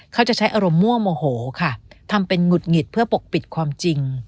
เขาจะใช้อารมณ์มั่วโมโหค่ะทำเป็นหงุดหงิดเพื่อปกปิดความจริง